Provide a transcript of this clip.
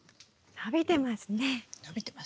伸びてますね。